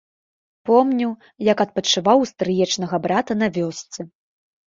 Помню, як адпачываў у стрыечнага брата на вёсцы.